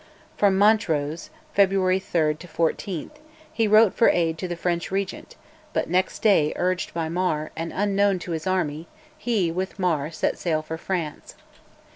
From Montrose (February 3 14) he wrote for aid to the French Regent, but next day, urged by Mar, and unknown to his army, he, with Mar, set sail for France.